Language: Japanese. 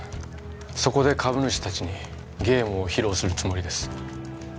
そこで株主達にゲームを披露するつもりです